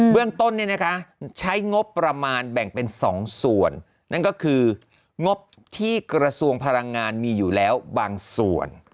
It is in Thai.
เรื่องต้นใช้งบประมาณแบ่งเป็น๒ส่วนนั่นก็คืองบที่กระทรวงพลังงานมีอยู่แล้วบางส่วน